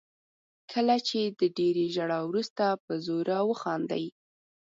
کله چې د ډېرې ژړا وروسته په زوره وخاندئ.